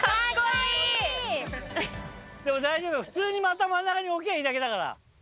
でも大丈夫普通にまた真ん中に置きゃいいだけだから。